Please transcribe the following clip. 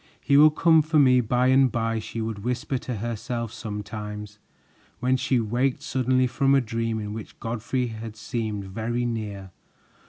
"He will come for me by and by," she would whisper to herself sometimes, when she waked suddenly from a dream in which Godfrey had seemed very near.